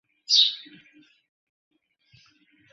আর আল্লাহর নামে যাঞ্চাই আমাকে দাসে পরিণত করেছে।